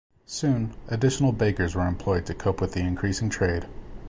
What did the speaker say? Soon, additional bakers were employed to cope with the increasing trade.